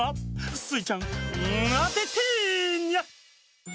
スイちゃんあててニャ！